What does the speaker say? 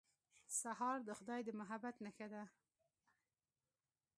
سهار د خدای د محبت نښه ده.